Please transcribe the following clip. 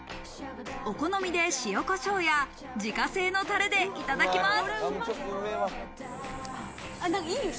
お好みで塩、コショウや自家製のタレでいただきます。